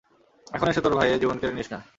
এখন এসে তোর ভাইয়ে জীবন কেড়ে নিস না?